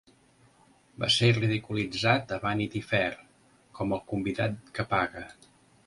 Va ser ridiculitzat a "Vanity Fair" com "el convidat que paga".